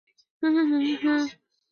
该物种的模式产地在山西娘子关。